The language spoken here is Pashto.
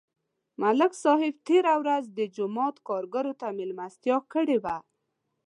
ملک صاحب تېره ورځ د جومات کارګرو ته مېلمستیا کړې وه